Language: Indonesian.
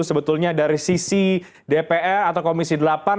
sebetulnya dari sisi dpr atau komisi delapan